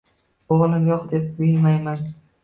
O’g’lim yo’q, deb kuyunmayman.